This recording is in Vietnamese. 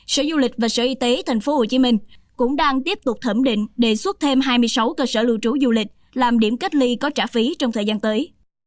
sở du lịch và sở y tế tp hcm cũng đang tiếp tục thẩm định đề xuất thêm hai mươi sáu cơ sở lưu trú du lịch làm điểm cách ly có trả phí trong thời gian tới